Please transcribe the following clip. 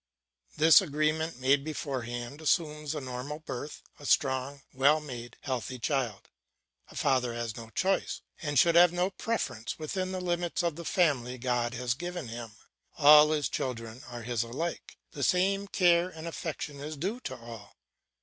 This agreement made beforehand assumes a normal birth, a strong, well made, healthy child. A father has no choice, and should have no preference within the limits of the family God has given him; all his children are his alike, the same care and affection is due to all.